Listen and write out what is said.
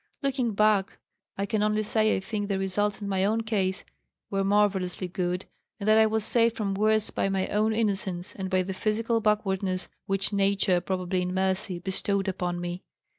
"Looking back, I can only say I think, the results in my own case were marvellously good, and that I was saved from worse by my own innocence and by the physical backwardness which nature, probably in mercy, bestowed upon me.